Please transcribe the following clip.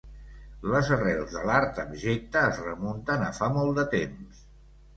Les arrels de l'Art abjecte es remunten a fa molt de temps.